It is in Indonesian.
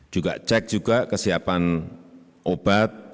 juga cek juga kesiapan obat